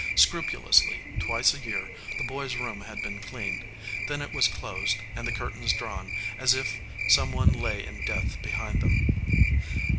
Scrupulously, twice a year, the boy s room had been cleaned. Then it was closed, and the curtains drawn, as if some one lay in death be hind them.